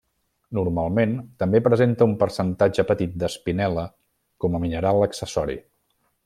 Normalment també presenta un percentatge petit d'espinel·la com a mineral accessori.